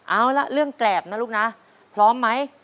เอาละเรื่องแกรบนะลูกนะพร้อมไหม